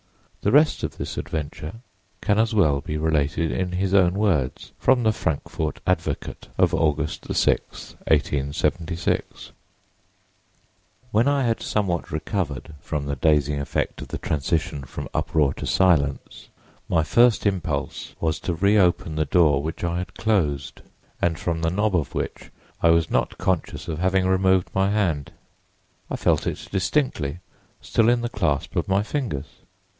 The rest of this adventure can as well be related in his own words, from the Frankfort Advocate of August 6, 1876: "When I had somewhat recovered from the dazing effect of the transition from uproar to silence, my first impulse was to reopen the door which I had closed, and from the knob of which I was not conscious of having removed my hand; I felt it distinctly, still in the clasp of my fingers.